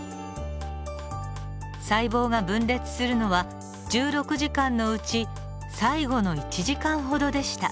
細胞が分裂するのは１６時間のうち最後の１時間ほどでした。